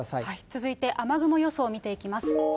続いて、雨雲予想を見ていきます。